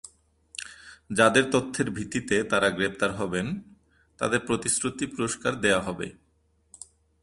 যাঁদের তথ্যের ভিত্তিতে তাঁরা গ্রেপ্তার হবেন, তাঁদের প্রতিশ্রুত পুরস্কার দেওয়া হবে।